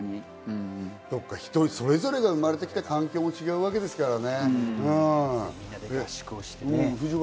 人それぞれが生まれてきた環境も違うわけですからね。